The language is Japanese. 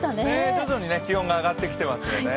徐々に気温が上がってきていますよね。